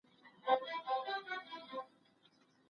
چي پیسې لري هغه د نر بچی دی